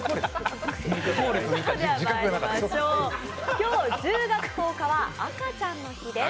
今日、１０月１０日は赤ちゃんの日です。